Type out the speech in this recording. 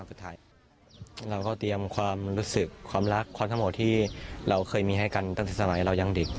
สุดท้ายเราก็เตรียมความรู้สึกความรักความทั้งหมดที่เราเคยมีให้กันตั้งแต่สมัยเรายังเด็ก